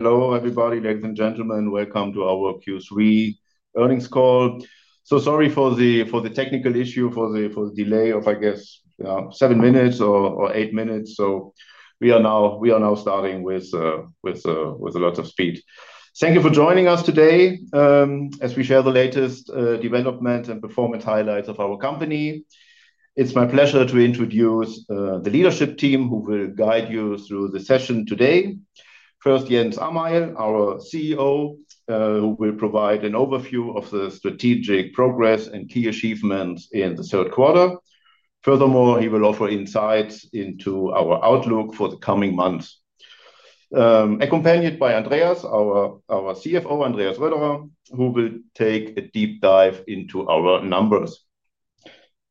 Hello, everybody. Ladies and gentlemen, welcome to our Q3 earnings call. Sorry for the technical issue, for the delay of, I guess, seven minutes or eight minutes. We are now starting with a lot of speed. Thank you for joining us today as we share the latest development and performance highlights of our company. It's my pleasure to introduce the leadership team who will guide you through the session today. First, Jens Amail, our CEO, who will provide an overview of the strategic progress and key achievements in the third quarter. Furthermore, he will offer insights into our outlook for the coming months. Accompanied by Andreas, our CFO, Andreas Röderer, who will take a deep dive into our numbers.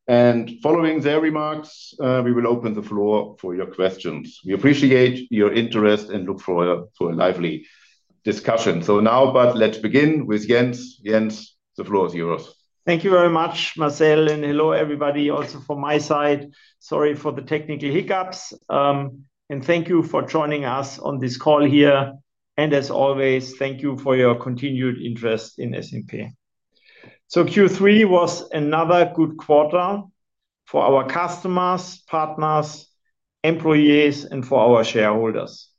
Following their remarks, we will open the floor for your questions. We appreciate your interest and look for a lively discussion. Now, let's begin with Jens. Jens, the floor is yours. Thank you very much, Marcel, and hello, everybody, also from my side. Sorry for the technical hiccups. Thank you for joining us on this call here. As always, thank you for your continued interest in SNP. Q3 was another good quarter for our customers, partners, employees, and for our shareholders.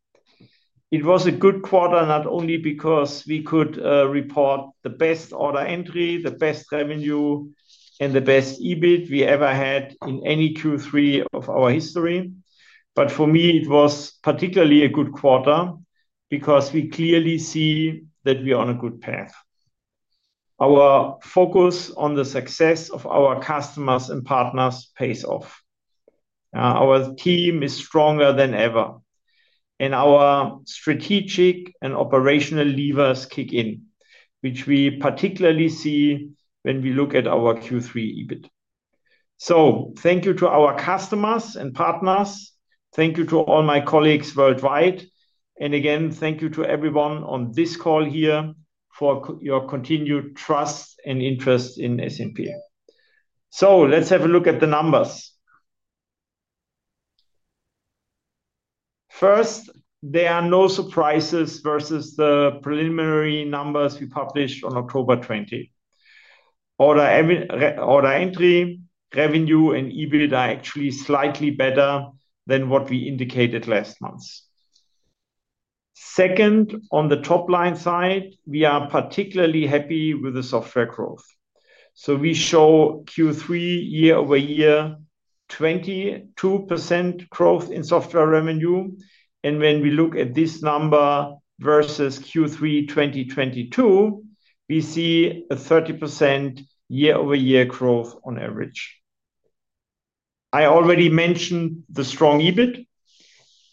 It was a good quarter not only because we could report the best order entry, the best revenue, and the best EBIT we ever had in any Q3 of our history. For me, it was particularly a good quarter because we clearly see that we are on a good path. Our focus on the success of our customers and partners pays off. Our team is stronger than ever. Our strategic and operational levers kick in, which we particularly see when we look at our Q3 EBIT. Thank you to our customers and partners. Thank you to all my colleagues worldwide. Again, thank you to everyone on this call here for your continued trust and interest in SNP. Let's have a look at the numbers. First, there are no surprises versus the preliminary numbers we published on October 20. Order entry, revenue, and EBIT are actually slightly better than what we indicated last month. On the top-line side, we are particularly happy with the software growth. We show Q3 year-over-year 22% growth in software revenue. When we look at this number versus Q3 2022, we see a 30% year-over-year growth on average. I already mentioned the strong EBIT.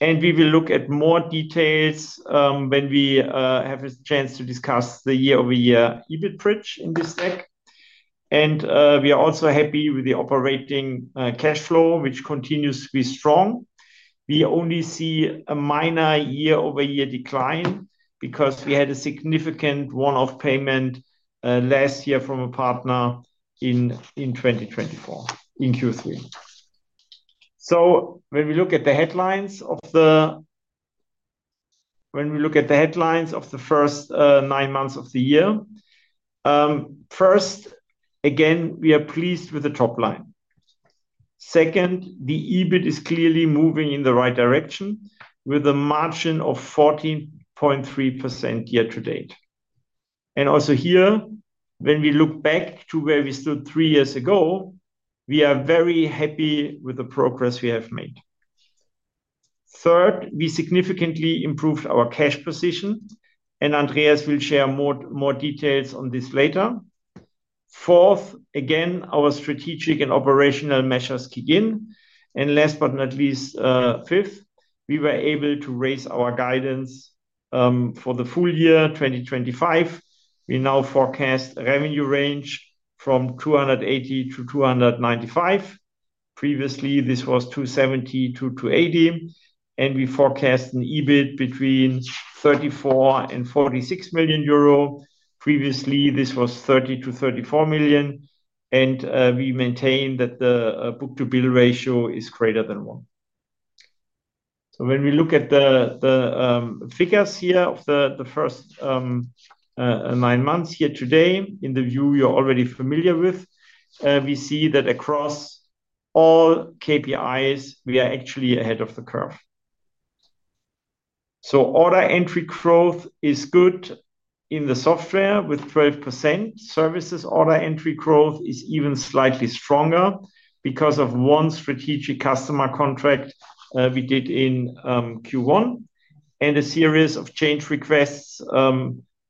We will look at more details when we have a chance to discuss the year-over-year EBIT bridge in this deck. We are also happy with the operating cash flow, which continues to be strong. We only see a minor year-over-year decline because we had a significant one-off payment last year from a partner in 2024 in Q3. When we look at the headlines of the first nine months of the year, first, again, we are pleased with the top line. Second, the EBIT is clearly moving in the right direction with a margin of 14.3% year-to-date. Also here, when we look back to where we stood three years ago, we are very happy with the progress we have made. Third, we significantly improved our cash position, and Andreas will share more details on this later. Fourth, again, our strategic and operational measures kick in. Last but not least, fifth, we were able to raise our guidance for the full year 2025. We now forecast a revenue range from 280 million-295 million. Previously, this was 270-280. We forecast an EBIT between 34 million-46 million euro. Previously, this was 30 million-34 million. We maintain that the book-to-bill ratio is greater than one. When we look at the figures here of the first nine months year to date in the view you're already familiar with, we see that across all KPIs, we are actually ahead of the curve. Order entry growth is good in the software with 12%. Services order entry growth is even slightly stronger because of one strategic customer contract we did in Q1 and a series of change requests.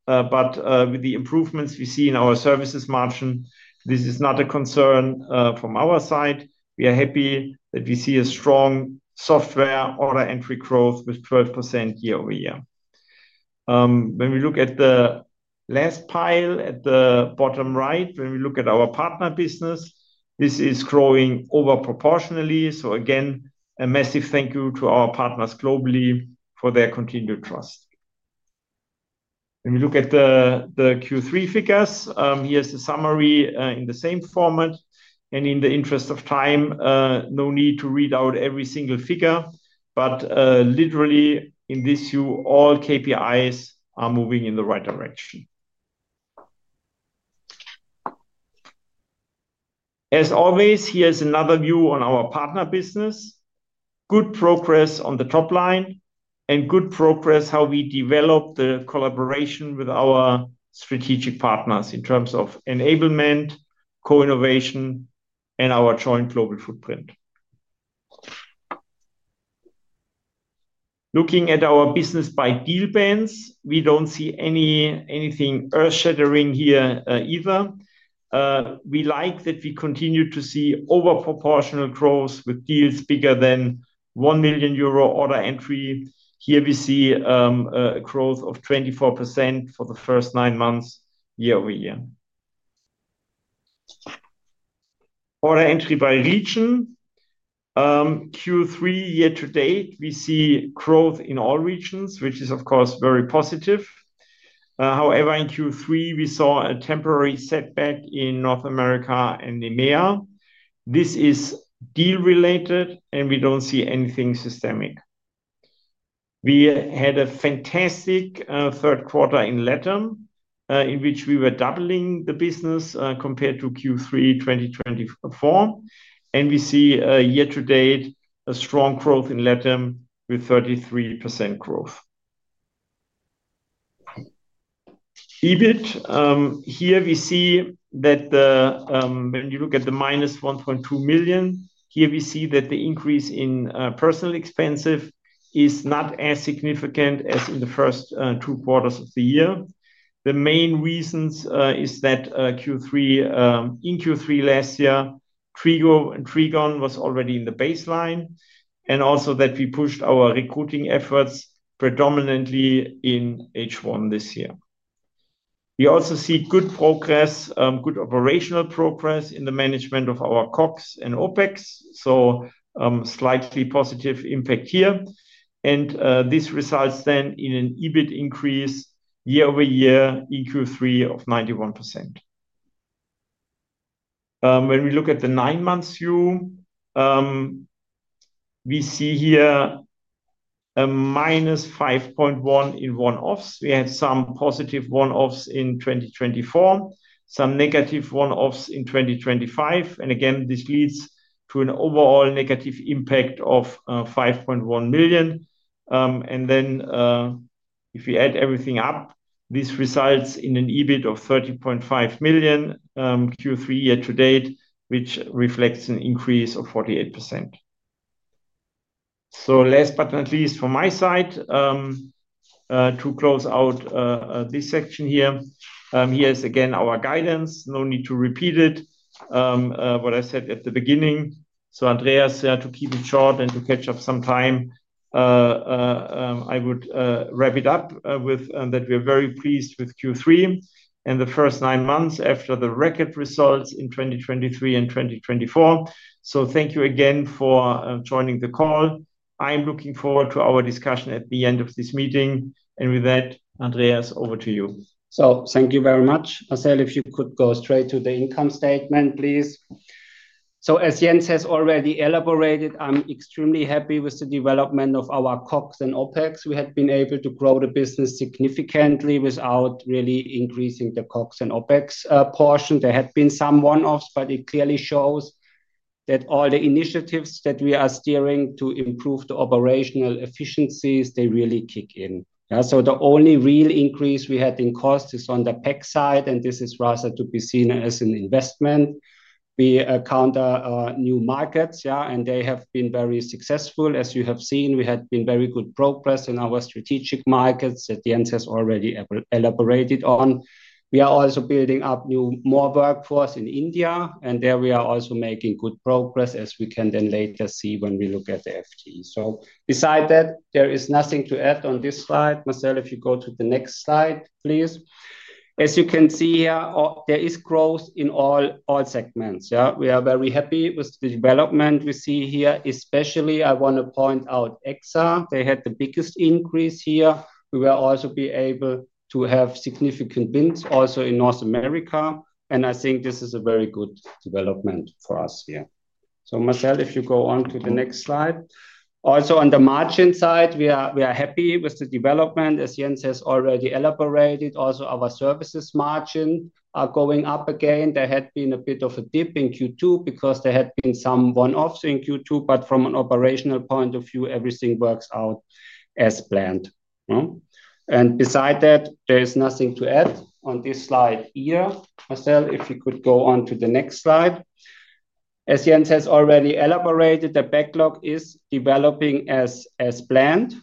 With the improvements we see in our services margin, this is not a concern from our side. We are happy that we see a strong software order entry growth with 12% year-over-year. When we look at the Last pile at the bottom right, when we look at our partner business, this is growing over proportionally. Again, a massive thank you to our partners globally for their continued trust. When we look at the Q3 figures, here is the summary in the same format. In the interest of time, no need to read out every single figure. Literally, in this view, all KPIs are moving in the right direction. As always, here is another view on our partner business. Good progress on the top line and good progress how we develop the collaboration with our strategic partners in terms of enablement, co-innovation, and our joint global footprint. Looking at our business by deal bands, we do not see anything earth-shattering here either. We like that we continue to see over proportional growth with deals bigger than 1 million euro order entry. Here we see. A growth of 24% for the first nine months year-over-year. Order entry by region. Q3 year-to-date, we see growth in all regions, which is, of course, very positive. However, in Q3, we saw a temporary setback in North America and EMEA. This is deal-related, and we do not see anything systemic. We had a fantastic third quarter in LATAM, in which we were doubling the business compared to Q3 2023. We see year-to-date a strong growth in LATAM with 33% growth. EBIT, here we see that. When you look at the minus 1.2 million, here we see that the increase in personnel expenses is not as significant as in the first two quarters of the year. The main reasons are that in Q3 last year, Trigon was already in the baseline and also that we pushed our recruiting efforts predominantly in H1 this year. We also see good operational progress in the management of our COGS and OpEx. Slightly positive impact here. This results then in an EBIT increase year-over-year in Q3 of 91%. When we look at the nine-month view, we see here a minus 5.1 in one-offs. We had some positive one-offs in 2024, some negative one-offs in 2025. Again, this leads to an overall negative impact of 5.1 million. If we add everything up, this results in an EBIT of 30.5 million Q3 year-to-date, which reflects an increase of 48%. Last but not least from my side, to close out this section here, here is again our guidance. No need to repeat it, what I said at the beginning. Andreas, to keep it short and to catch up some time. I would wrap it up with that we are very pleased with Q3 and the first nine months after the record results in 2023 and 2024. Thank you again for joining the call. I'm looking forward to our discussion at the end of this meeting. With that, Andreas, over to you. Thank you very much. Marcel, if you could go straight to the income statement, please. As Jens has already elaborated, I'm extremely happy with the development of our COGS and OpEx. We had been able to grow the business significantly without really increasing the COGS and OpEx portion. There had been some one-offs, but it clearly shows that all the initiatives that we are steering to improve the operational efficiencies, they really kick in. The only real increase we had in cost is on the PEC side, and this is rather to be seen as an investment. We encounter new markets, and they have been very successful. As you have seen, we had very good progress in our strategic markets that Jens has already elaborated on. We are also building up more workforce in India, and there we are also making good progress as we can then later see when we look at the FTE. Beside that, there is nothing to add on this slide. Marcel, if you go to the next slide, please. As you can see here, there is growth in all segments. We are very happy with the development we see here, especially I want to point out EXA. They had the biggest increase here. We will also be able to have significant bids also in North America. I think this is a very good development for us here. Marcel, if you go on to the next slide. Also on the margin side, we are happy with the development, as Jens has already elaborated. Also our services margin are going up again. There had been a bit of a dip in Q2 because there had been some one-offs in Q2, but from an operational point of view, everything works out as planned. Beside that, there is nothing to add on this slide here. Marcel, if you could go on to the next slide. As Jens has already elaborated, the backlog is developing as planned.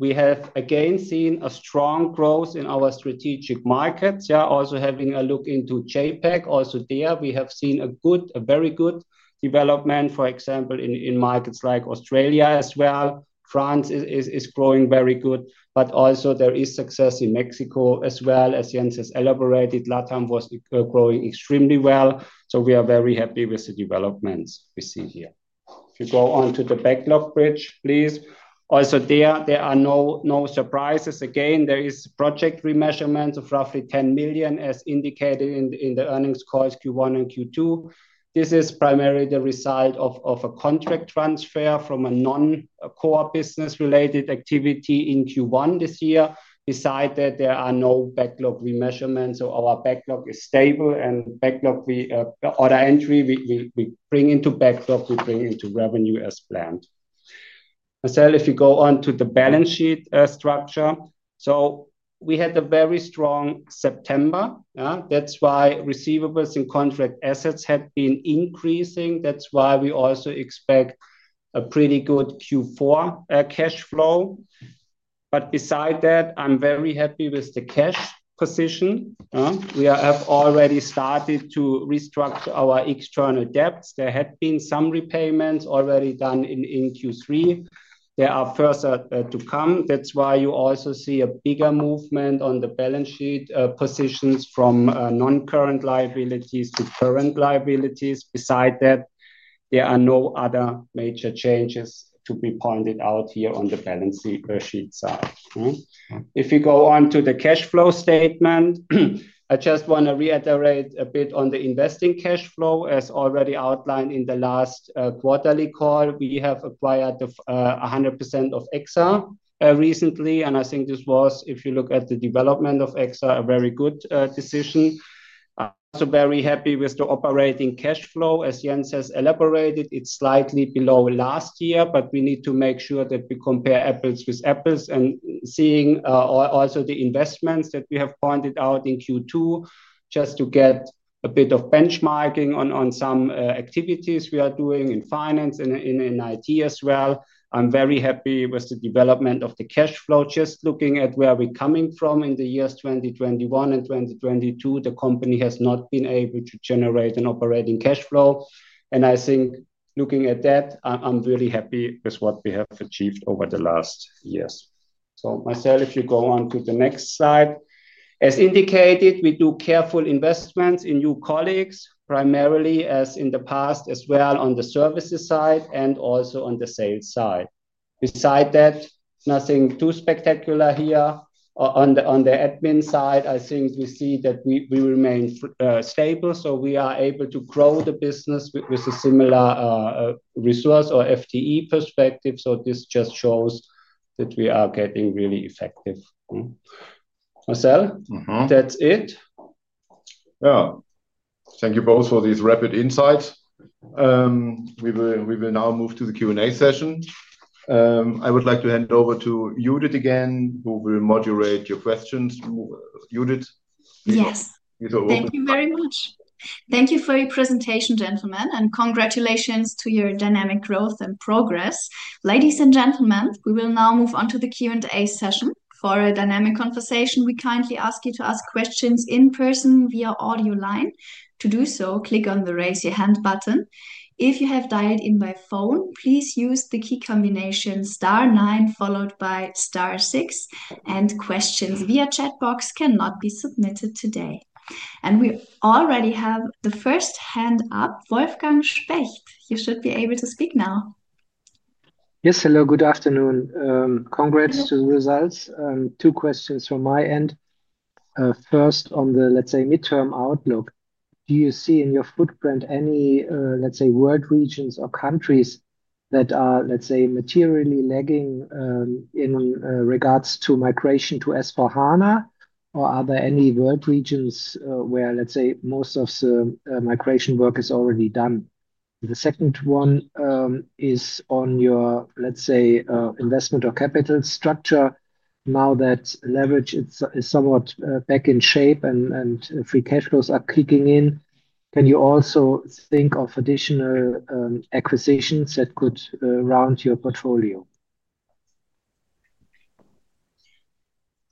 We have again seen a strong growth in our strategic markets. Also having a look into JPEC, also there we have seen a very good development, for example, in markets like Australia as well. France is growing very good, but also there is success in Mexico as well, as Jens has elaborated. LATAM was growing extremely well. We are very happy with the developments we see here. If you go on to the backlog bridge, please. Also there, there are no surprises. Again, there is project remeasurement of roughly 10 million as indicated in the earnings calls Q1 and Q2. This is primarily the result of a contract transfer from a non-core business-related activity in Q1 this year. Beside that, there are no backlog remeasurements. Our backlog is stable and backlog order entry we bring into backlog, we bring into revenue as planned. Marcel, if you go on to the balance sheet structure. We had a very strong September. That is why receivables and contract assets had been increasing. That is why we also expect a pretty good Q4 cash flow. Beside that, I'm very happy with the cash position. We have already started to restructure our external debts. There had been some repayments already done in Q3. There are further to come. That is why you also see a bigger movement on the balance sheet positions from non-current liabilities to current liabilities. Beside that, there are no other major changes to be pointed out here on the balance sheet side. If you go on to the cash flow statement, I just want to reiterate a bit on the investing cash flow. As already outlined in the last quarterly call, we have acquired 100% of EXA recently. I think this was, if you look at the development of EXA, a very good decision. So very happy with the operating cash flow, as Jens has elaborated. It's slightly below last year, but we need to make sure that we compare apples with apples and seeing also the investments that we have pointed out in Q2 just to get a bit of benchmarking on some activities we are doing in finance and in IT as well. I'm very happy with the development of the cash flow. Just looking at where we're coming from in the years 2021 and 2022, the company has not been able to generate an operating cash flow. I think looking at that, I'm really happy with what we have achieved over the last years. Marcel, if you go on to the next slide. As indicated, we do careful investments in new colleagues, primarily as in the past as well on the services side and also on the sales side. Beside that, nothing too spectacular here. On the admin side, I think we see that we remain stable. We are able to grow the business with a similar resource or FTE perspective. This just shows that we are getting really effective. Marcel, that's it. Yeah. Thank you both for these rapid insights. We will now move to the Q&A session. I would like to hand it over to Judith again, who will moderate your questions. Judith. Yes. Thank you very much. Thank you for your presentation, gentlemen, and congratulations to your dynamic growth and progress. Ladies and gentlemen, we will now move on to the Q&A session. For a dynamic conversation, we kindly ask you to ask questions in person via audio line. To do so, click on the raise your hand button. If you have dialed in by phone, please use the key combination star nine followed by star six, and questions via chat box cannot be submitted today. We already have the first hand up, Wolfgang Specht. You should be able to speak now. Yes, hello, good afternoon. Congrats to the results. Two questions from my end. First on the, let's say, midterm outlook. Do you see in your footprint any, let's say, world regions or countries that are, let's say, materially lagging in regards to migration to S/4HANA? Or are there any world regions where, let's say, most of the migration work is already done? The second one is on your, let's say, investment or capital structure. Now that leverage is somewhat back in shape and free cash flows are kicking in, can you also think of additional acquisitions that could round your portfolio?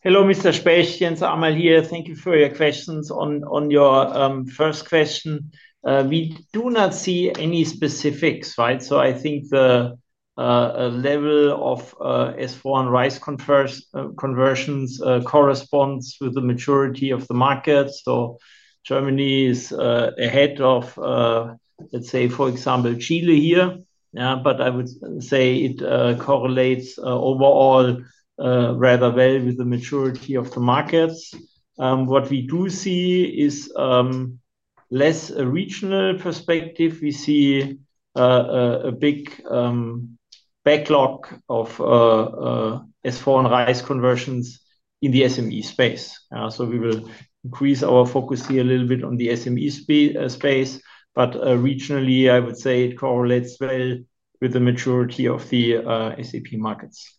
Hello, Mr. Specht, Jens Amail here. Thank you for your questions. On your first question, we do not see any specifics, right? I think the level of S/4HANA RISE conversions corresponds with the maturity of the markets. Germany is ahead of, let's say, for example, Chile here. I would say it correlates overall rather well with the maturity of the markets. What we do see is less a regional perspective. We see a big backlog of S/4HANA RISE conversions in the SME space. We will increase our focus here a little bit on the SME space. Regionally, I would say it correlates well with the maturity of the SAP markets.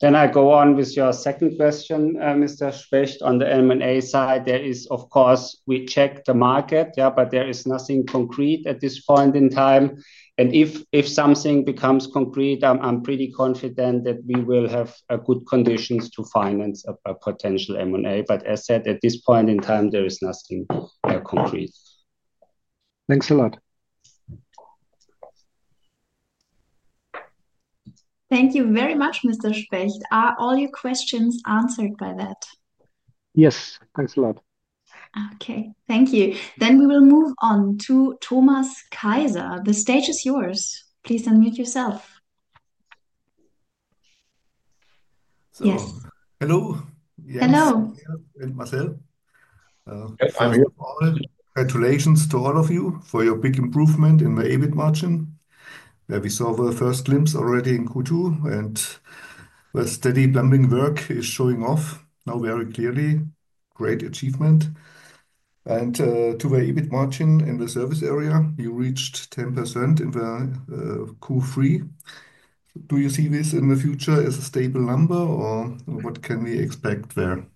Can I go on with your second question, Mr. Specht, on the M&A side? Of course, we check the market, but there is nothing concrete at this point in time. If something becomes concrete, I'm pretty confident that we will have good conditions to finance a potential M&A. As said, at this point in time, there is nothing concrete. Thanks a lot. Thank you very much, Mr. Specht. Are all your questions answered by that? Yes, thanks a lot. Okay, thank you. We will move on to Thomas Kaiser. The stage is yours. Please unmute yourself. Yes. Hello. Hello. And Marcel. I'm here for all. Congratulations to all of you for your big improvement in the EBIT margin. We saw the first glimpse already in Q2, and the steady plumbing work is showing off now very clearly. Great achievement. To the EBIT margin in the service area, you reached 10% in Q3. Do you see this in the future as a stable number, or what can we expect there?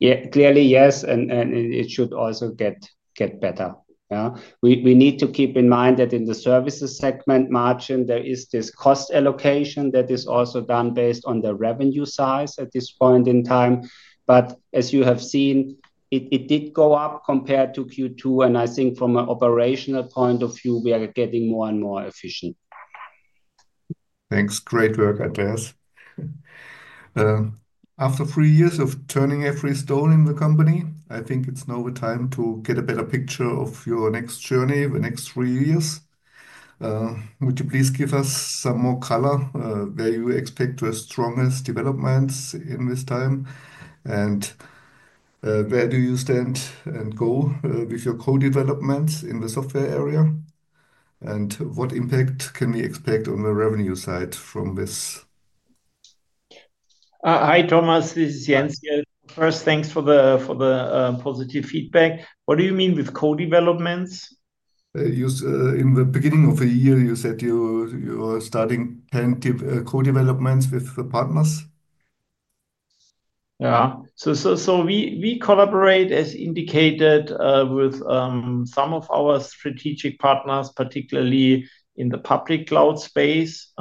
Yeah, clearly yes, and it should also get better. We need to keep in mind that in the services segment margin, there is this cost allocation that is also done based on the revenue size at this point in time. As you have seen, it did go up compared to Q2, and I think from an operational point of view, we are getting more and more efficient. Thanks. Great work, Andreas. After three years of turning every stone in the company, I think it's now time to get a better picture of your next journey, the next three years. Would you please give us some more color? Where you expect your strongest developments in this time? Where do you stand and go with your co-developments in the software area? What impact can we expect on the revenue side from this? Hi, Thomas, this is Jens here. First, thanks for the positive feedback. What do you mean with co-developments? In the beginning of the year, you said you were starting co-developments with the partners. Yeah. We collaborate, as indicated, with some of our strategic partners, particularly in the public cloud space.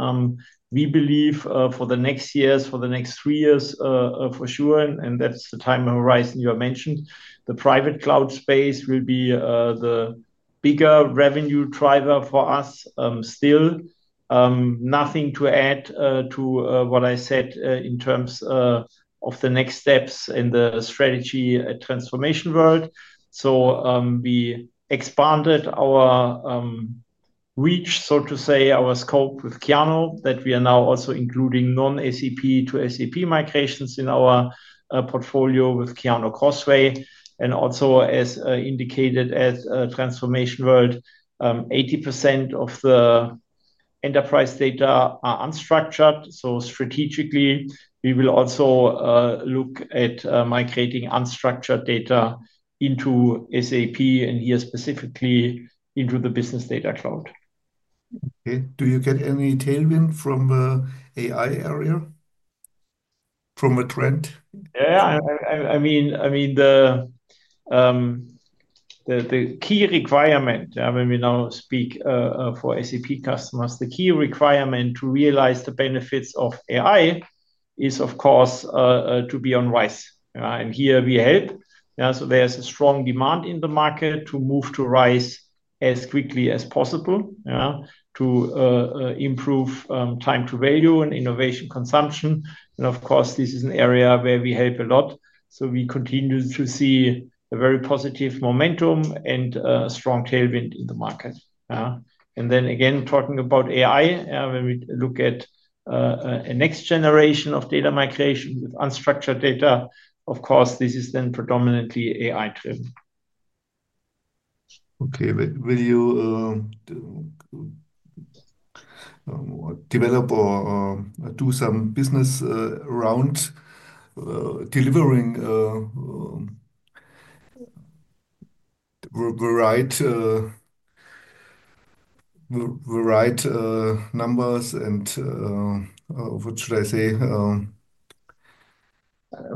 We believe for the next years, for the next three years for sure, and that's the time horizon you have mentioned. The private cloud space will be the bigger revenue driver for us still. Nothing to add to what I said in terms of the next steps in the strategy transformation world. We expanded our reach, so to say, our scope with Kyano, that we are now also including non-ACP to ACP migrations in our portfolio with Kyano Crossway. Also, as indicated as a transformation world, 80% of the enterprise data are unstructured. Strategically, we will also look at migrating unstructured data into SAP and here specifically into the business data cloud. Okay. Do you get any tailwind from the AI area? From the trend? Yeah, I mean. The key requirement, when we now speak for SAP customers, the key requirement to realize the benefits of AI is, of course, to be on RISE. Here we help. There is a strong demand in the market to move to RISE as quickly as possible to improve time to value and innovation consumption. Of course, this is an area where we help a lot. We continue to see a very positive momentum and a strong tailwind in the market. Then again, talking about AI, when we look at a next generation of data migration with unstructured data, of course, this is then predominantly AI-driven. Okay. Will you develop or do some business around delivering varied numbers and what should I say?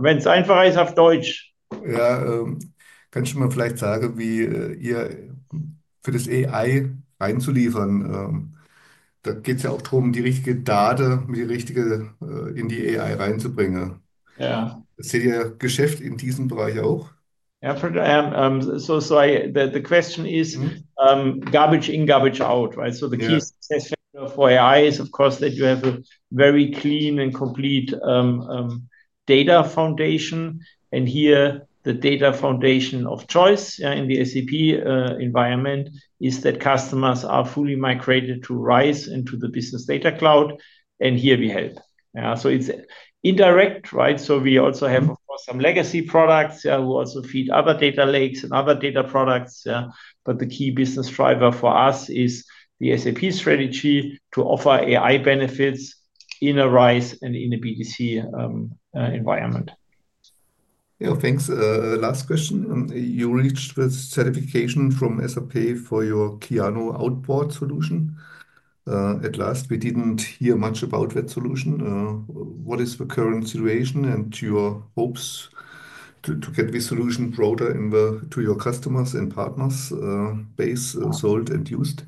Wenn es einfacher ist, auf Deutsch. Ja. Kannst du mir vielleicht sagen, wie ihr für das AI reinzuliefern? Da geht es ja auch darum, die richtige Daten in die AI reinzubringen. Seht ihr Geschäft in diesem Bereich auch? Yeah. The question is, garbage in, garbage out. The key success factor for AI is, of course, that you have a very clean and complete data foundation. Here, the data foundation of choice in the SAP environment is that customers are fully migrated to RISE and to the business data cloud. Here we help. It is indirect, right? We also have, of course, some legacy products that also feed other data lakes and other data products. The key business driver for us is the SAP strategy to offer AI benefits in a RISE and in a BDC environment. Yeah, thanks. Last question. You reached the certification from SAP for your Kyano Outboard solution. At last, we didn't hear much about that solution. What is the current situation and your hopes to get this solution broader to your customers and partners base, sold and used?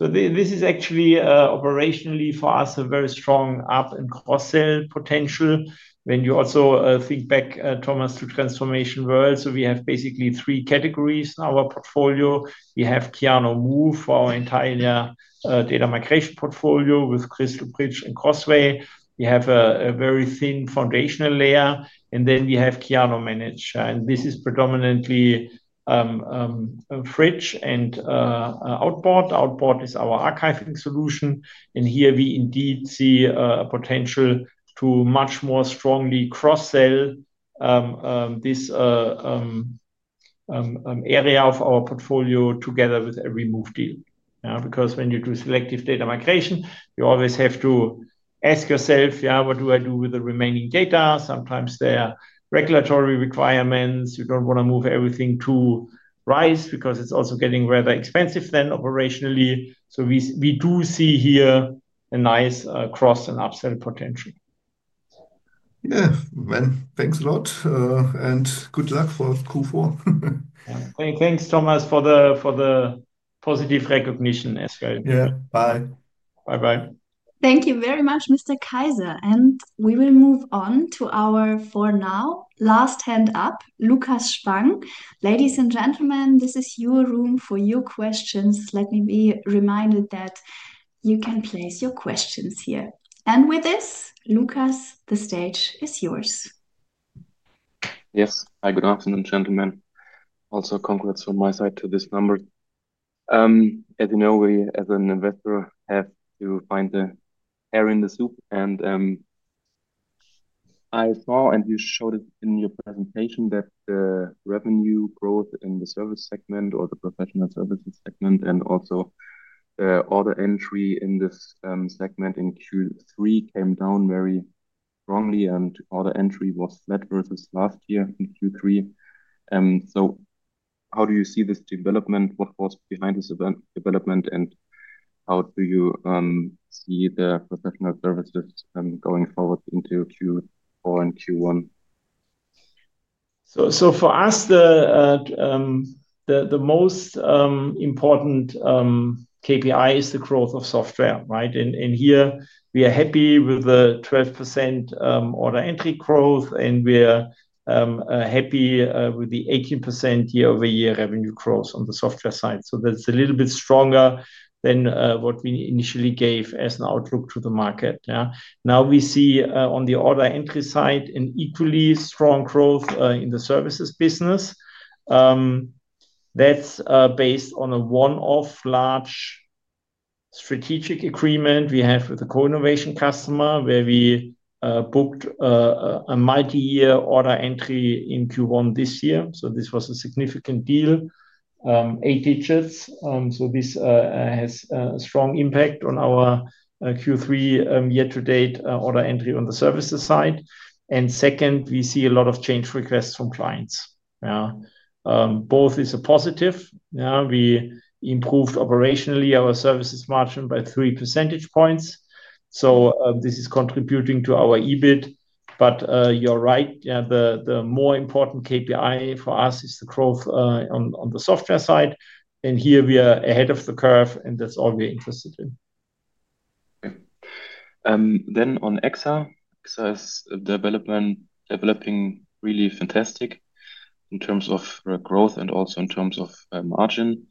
This is actually operationally for us a very strong up and cross-sell potential. When you also think back, Thomas, to transformation world, we have basically three categories in our portfolio. We have Kyano Move for our entire data migration portfolio with Crystal Bridge and Crossway. We have a very thin foundational layer. Then we have Kyano Manage. This is predominantly Fridge and Outboard. Outboard is our archiving solution. Here we indeed see a potential to much more strongly cross-sell this area of our portfolio together with a remove deal. Because when you do selective data migration, you always have to ask yourself, yeah, what do I do with the remaining data? Sometimes there are regulatory requirements. You do not want to move everything to RISE because it is also getting rather expensive then operationally. We do see here a nice cross and upsell potential. Yeah. Thanks a lot. Good luck for Q4. Thanks, Thomas, for the positive recognition as well. Yeah. Bye. Bye-bye. Thank you very much, Mr. Kaiser. We will move on to our for now last hand up, Lukas Spang. Ladies and gentlemen, this is your room for your questions. Let me be reminded that you can place your questions here. With this, Lukas, the stage is yours. Yes. Hi, good afternoon, gentlemen. Also, congrats from my side to this number. As you know, we as an investor have to find the hair in the soup. I saw, and you showed it in your presentation, that the revenue growth in the service segment or the professional services segment, and also order entry in this segment in Q3, came down very strongly, and order entry was flat versus last year in Q3. How do you see this development? What was behind this development, and how do you see the professional services going forward into Q4 and Q1? For us, the most important KPI is the growth of software, right? Here we are happy with the 12% order entry growth, and we are happy with the 18% year-over-year revenue growth on the software side. That is a little bit stronger than what we initially gave as an outlook to the market. Now, we see on the order entry side an equally strong growth in the services business. That is based on a one-off large strategic agreement we have with a co-innovation customer where we booked a multi-year order entry in Q1 this year. This was a significant deal, eight digits. This has a strong impact on our Q3 year-to-date order entry on the services side. Second, we see a lot of change requests from clients. Both is a positive. We improved operationally our services margin by three percentage points. This is contributing to our EBIT. You're right, the more important KPI for us is the growth on the software side. Here we are ahead of the curve and that's all we're interested in. On Exa. Exa is developing really fantastic in terms of growth and also in terms of margin.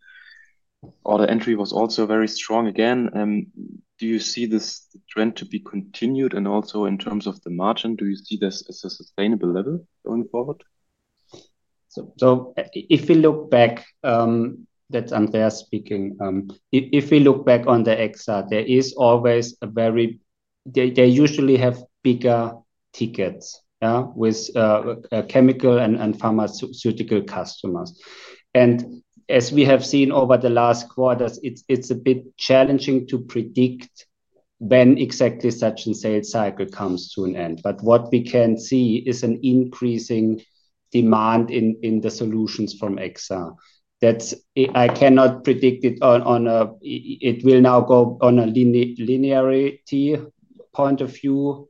Order entry was also very strong again. Do you see this trend to be continued? Also, in terms of the margin, do you see this as a sustainable level going forward? If we look back, that's Andreas speaking. If we look back on the Exa, there is always a very, they usually have bigger tickets with chemical and pharmaceutical customers. As we have seen over the last quarters, it's a bit challenging to predict when exactly such a sales cycle comes to an end. What we can see is an increasing demand in the solutions from Exa. I cannot predict it on a, it will now go on a linearity point of view.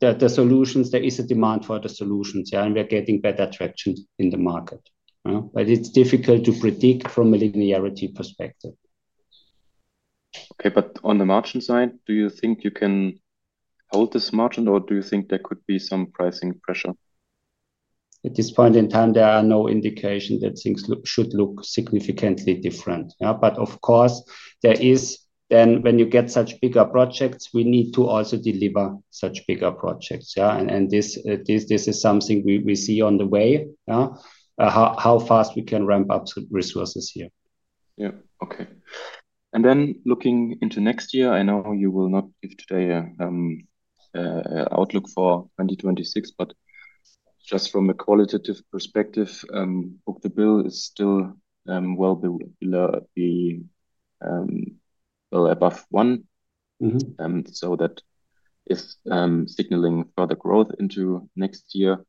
The solutions, there is a demand for the solutions, and we're getting better traction in the market. It's difficult to predict from a linearity perspective. Okay. On the margin side, do you think you can hold this margin or do you think there could be some pricing pressure? At this point in time, there are no indications that things should look significantly different. Of course, when you get such bigger projects, we need to also deliver such bigger projects. This is something we see on the way. How fast we can ramp up resources here. Yeah. Okay. Then looking into next year, I know you will not give today an outlook for 2026, but just from a qualitative perspective, book-to-bill is still well above one. That is signaling further growth into next year.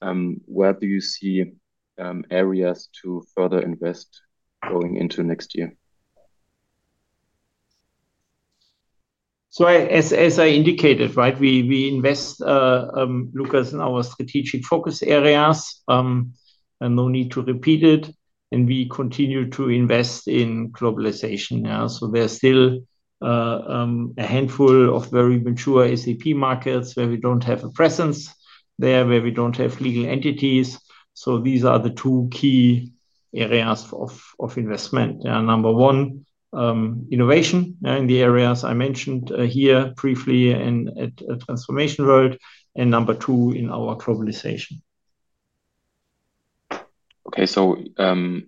Where do you see areas to further invest going into next year? As I indicated, right, we invest. Lukas, in our strategic focus areas. No need to repeat it. We continue to invest in globalization. There is still a handful of very mature SAP markets where we do not have a presence, where we do not have legal entities. These are the two key areas of investment: number one, innovation in the areas I mentioned here briefly and at a transformation world, and number two, in our globalization. Okay.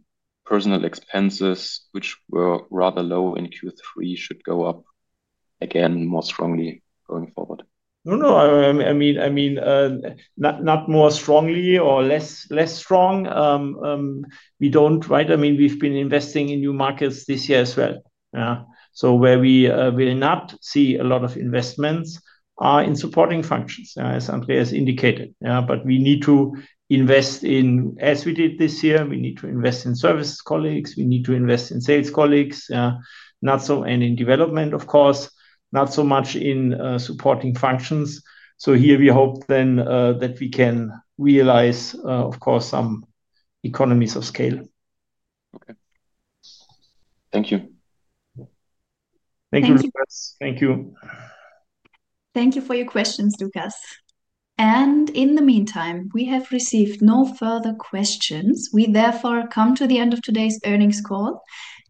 Personal expenses, which were rather low in Q3, should go up again more strongly going forward? No, no. I mean. Not more strongly or less strong. We do not, right? I mean, we have been investing in new markets this year as well. Where we will not see a lot of investments are in supporting functions, as Andreas indicated. We need to invest in, as we did this year, we need to invest in service colleagues. We need to invest in sales colleagues. In development, of course, not so much in supporting functions. Here we hope then that we can realize, of course, some economies of scale. Okay. Thank you. Thank you, Lukas. Thank you. Thank you for your questions, Lukas. In the meantime, we have received no further questions. We therefore come to the end of today's earnings call.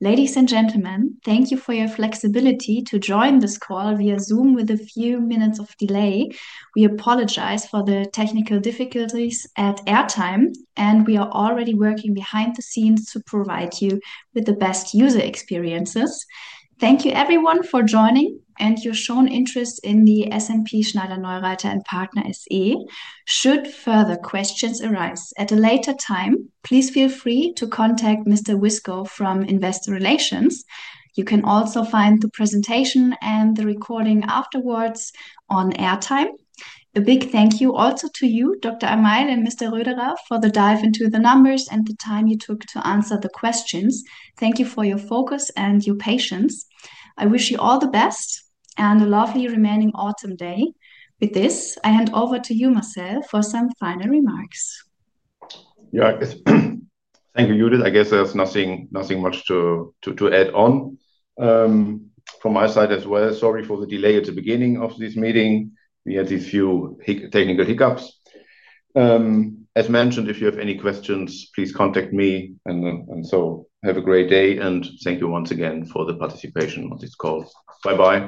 Ladies and gentlemen, thank you for your flexibility to join this call via Zoom with a few minutes of delay. We apologize for the technical difficulties at airtime, and we are already working behind the scenes to provide you with the best user experiences. Thank you, everyone, for joining and your shown interest in SNP Schneider-Neureither & Partner SE. Should further questions arise at a later time, please feel free to contact Mr. Wiskow from Investor Relations. You can also find the presentation and the recording afterwards on airtime. A big thank you also to you, Dr. Amail and Mr. Röderer, for the dive into the numbers and the time you took to answer the questions. Thank you for your focus and your patience. I wish you all the best and a lovely remaining autumn day. With this, I hand over to you, Marcel, for some final remarks. Yeah. Thank you, Judith. I guess there's nothing much to add on from my side as well. Sorry for the delay at the beginning of this meeting. We had a few technical hiccups. As mentioned, if you have any questions, please contact me. Have a great day. Thank you once again for the participation on this call. Bye-bye.